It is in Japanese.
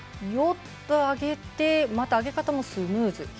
もっと上げてまた上げ方もスムーズ。